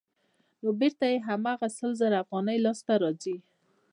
نو بېرته یې هماغه سل زره افغانۍ لاسته راځي